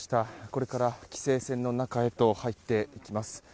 これから規制線の中へと入っていきます。